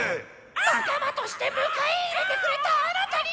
「仲魔として迎え入れてくれたあなたに報いたい！」。